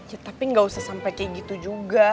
tapi gak usah sampai kayak gitu juga